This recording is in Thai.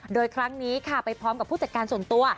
โดยครั้งนี้ค่ะไปพร้อมกับผู้จัดการส่วนตัว